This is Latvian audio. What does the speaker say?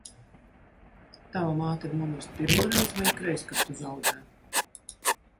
Tava māte nomirst pirmo reizi vai ikreiz, kad tu zaudē?